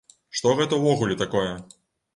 Што гэта ўвогуле такое?